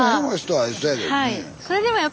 はい。